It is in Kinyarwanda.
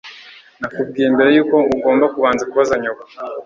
Nakubwiye mbere yuko ugomba kubanza kubaza nyoko